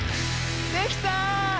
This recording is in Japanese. できた！